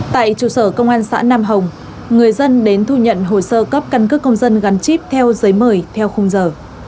tại trụ sở công an xã nam hồng người dân đến thu nhận hồ sơ cấp căn cước công dân gắn chip theo giấy mời theo khung giờ